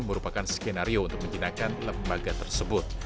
merupakan skenario untuk menjinakkan lembaga tersebut